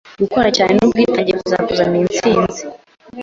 Gukora cyane nubwitange bizakuzanira intsinzi.